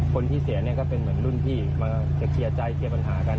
คนที่เสียเนี่ยก็เป็นเหมือนรุ่นพี่มาจะเคลียร์ใจเคลียร์ปัญหากัน